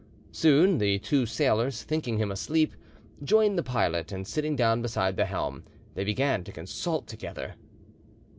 Soon the two sailors, thinking him asleep, joined the pilot, and sitting down beside the helm, they began to consult together.